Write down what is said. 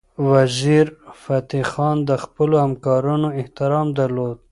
وزیرفتح خان د خپلو همکارانو احترام درلود.